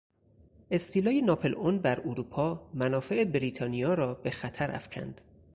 استیلای ناپلئون بر اروپا منافع بریتانیا را به خطر افکند.